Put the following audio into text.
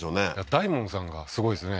大門さんがすごいですね